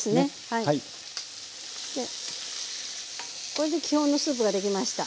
これで基本のスープができました。